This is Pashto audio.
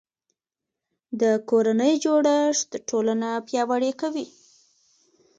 د کورنۍ جوړښت ټولنه پیاوړې کوي